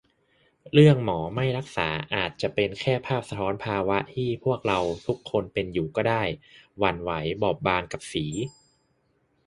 เรื่องหมอไม่รักษาอาจจะเป็นแค่ภาพสะท้อนภาวะที่พวกเราทุกคนเป็นอยู่ก็ได้ - หวั่นไหวบอบบางกับสี